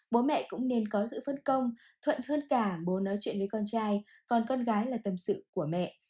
bố mẹ cũng nên có sự phân công thuận hơn cả bố nói chuyện với con trai còn con gái là tâm sự của mẹ